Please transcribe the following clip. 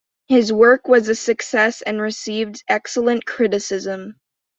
His work was a success and received excellent criticism.